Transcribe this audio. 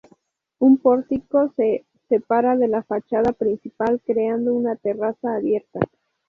Un pórtico se separa de la fachada principal creando una terraza abierta.